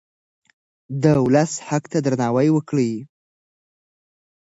د ولس حق ته درناوی وکړئ.